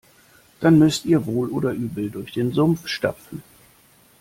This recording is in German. Dann müsst ihr wohl oder übel durch den Sumpf stapfen.